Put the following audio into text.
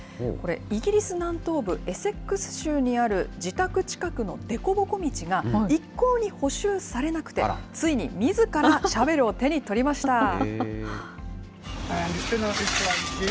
これ、イギリス南東部エセックス州にある自宅近くの凸凹道が、一向に補修されなくて、ついにみずからシャベルを手に取りました。